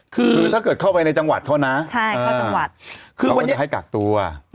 คือถ้าเกิดเข้าไปในจังหวัดเข้าน้าคือเจ้าเฉินให้กักตัว่ะ